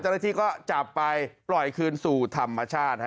เจ้าหน้าที่ก็จับไปปล่อยคืนสู่ธรรมชาติ